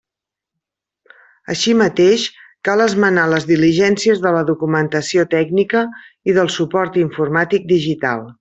Així mateix, cal esmenar les diligències de la documentació tècnica i del suport informàtic digital.